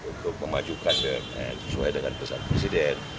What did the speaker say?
untuk memajukan bumn sesuai dengan pesan presiden